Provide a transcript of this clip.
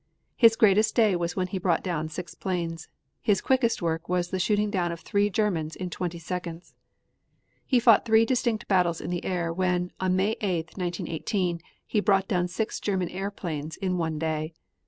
His greatest day was when he brought down six planes. His quickest work was the shooting down of three Germans in twenty seconds. He fought three distinct battles in the air when, on May 8, 1918, he brought down six German airplanes in one day.